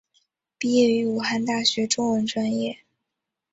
毕业于武汉大学中文专业。